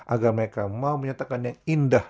agar mereka mau menyatakan yang indah